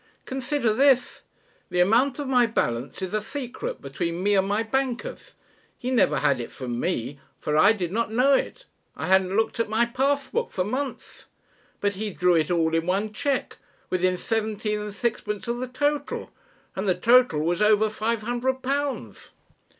Consider this. The amount of my balance is a secret between me and my bankers. He never had it from me, for I did not know it I hadn't looked at my passbook for months. But he drew it all in one cheque, within seventeen and sixpence of the total. And the total was over five hundred pounds!"